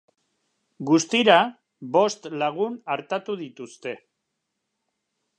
Guztira, bost lagun artatu dituzte.